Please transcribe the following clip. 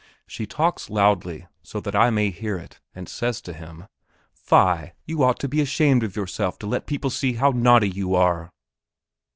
She talks loudly, so that I may hear it, and says to him, "Fie, you ought to be ashamed of yourself to let people see how naughty you are."